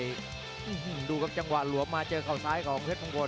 นี่แหละครับหลักเรียบประสบการณ์กระดูกมวยของต้นด้านเพชรมงคล